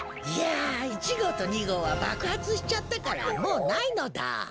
いや１ごうと２ごうはばくはつしちゃったからもうないのだ。